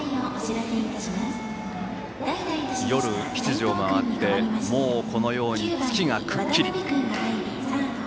夜７時を回って、このように月がくっきり。